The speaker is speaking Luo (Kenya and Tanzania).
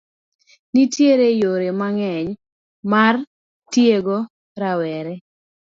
Nitie yore mang'eny mar tiego rawere.